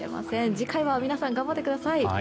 次回は皆さん頑張ってください！